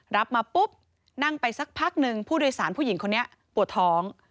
รับมาปุ๊บนั่งไปสักพักหนึ่งผู้โดยสารผู้หญิงคนนี้ปวดท้อง